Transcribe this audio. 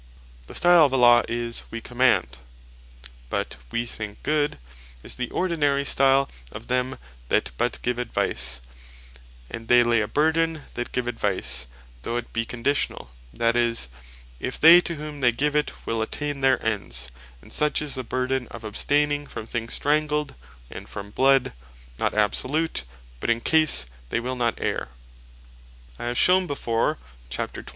The stile of a Law is, We Command: But, We Think Good, is the ordinary stile of them, that but give Advice; and they lay a Burthen that give Advice, though it bee conditionall, that is, if they to whom they give it, will attain their ends: And such is the Burthen, of abstaining from things strangled, and from bloud; not absolute, but in case they will not erre. I have shewn before (chap. 25.)